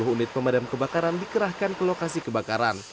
dua puluh unit pemadam kebakaran dikerahkan ke lokasi kebakaran